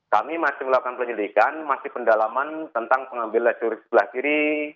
kami masih melakukan penyelidikan masih pendalaman tentang pengambilan sebelah kiri